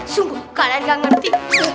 sungguh kalian gak ngerti